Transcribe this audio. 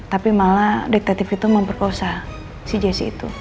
tapi malah detektif itu memperkosa si jessi itu